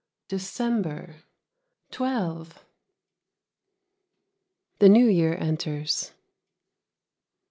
December "Twelve." (_The New Year Enters.